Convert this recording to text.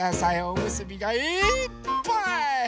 おむすびがいっぱい！